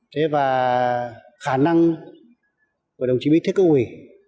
thế và khả năng của đồng chí bí thư cấp ủy